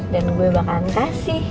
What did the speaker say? dan gue bakalan kasih